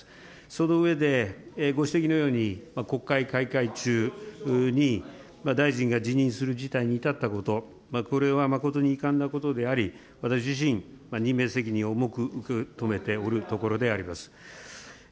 その上で、ご指摘のように国会開会中に大臣が辞任する事態に至ったこと、これは誠に遺憾なことであり、私自身、任命責任を重く受け止めておるところであります。